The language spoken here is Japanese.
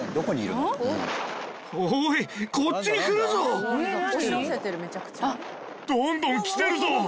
こっちに来るぞ！